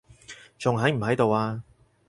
仲喺唔喺度啊？